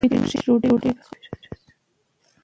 کابل په پوره توګه د افغان ځوانانو د هیلو استازیتوب کوي.